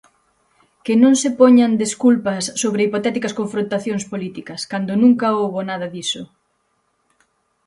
Que non se poñan desculpas sobre hipotéticas confrontacións políticas cando nunca houbo nada diso.